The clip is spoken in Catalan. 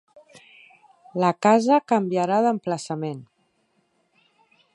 La casa canviarà d’emplaçament.